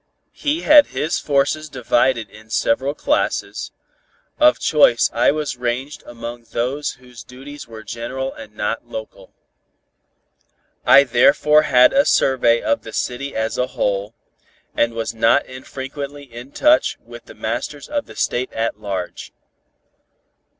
He had his forces divided in several classes, of choice I was ranged among those whose duties were general and not local. I therefore had a survey of the city as a whole, and was not infrequently in touch with the masters of the State at large.